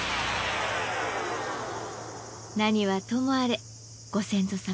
何はともあれご先祖様